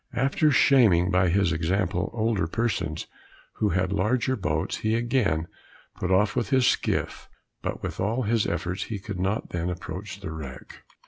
After shaming, by his example, older persons, who had larger boats, he again put off with his skiff, but with all his efforts he could not then approach the wreck.